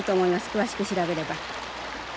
詳しく調べれば。